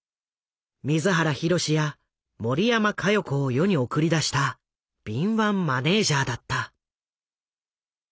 水原弘や森山加代子を世に送り出した敏腕マネージャーだった。